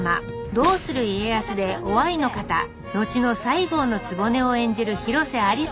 「どうする家康」で於愛の方後の西郷局を演じる広瀬アリスさん